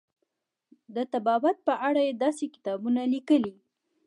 د طبابت په اړه یې داسې کتابونه لیکلي.